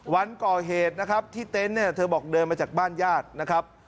วันก่อเหตุนะครับที่เต็นต์เนี่ยเธอบอกเดินมาจากบ้านญาตินะครับ